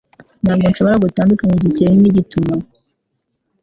Ntabwo nshobora gutandukanya igikeri nigituba.